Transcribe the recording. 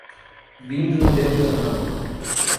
Vindo de um danado.